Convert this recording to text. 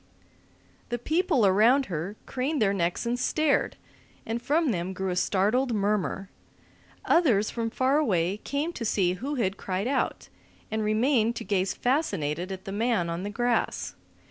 The people around her craned their necks and stared, and from them grew a startled murmur. Others from farther away came to see who had cried out, and remained to gaze fascinated at the man on the grass.